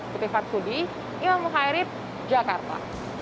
kutipan sudi imam mukairib jakarta